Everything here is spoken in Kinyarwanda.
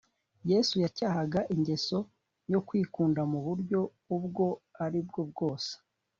Yesu yacyahaga ingeso yo kwikunda mu buryo ubwo aribwo bwose